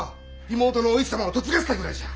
妹のお市様を嫁がせたぐらいじゃ。